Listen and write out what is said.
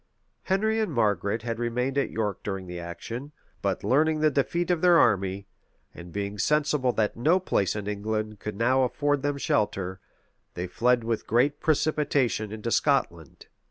Henry and Margaret had remained at York during the action, but learning the defeat of their army, and being sensible that no place in England could now afford them shelter, they fled with great precipitation into Scotland.